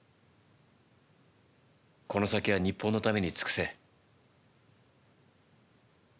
この先は日本のために尽くせ。